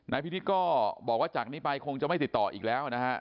นายพี่นิดก็บอกว่าจากนี้ไปคงจะไม่ติดต่ออีกแล้ว